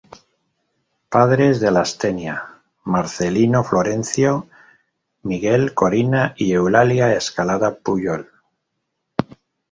Padres de Lastenia, Marcelino, Florencio, Miguel, Corina y Eulalia Escalada Pujol.